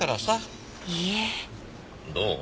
どう？